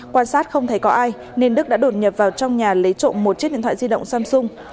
quan sát không thấy có ai nên đức đã đột nhập vào trong nhà lấy trộm một chiếc điện thoại di động samsung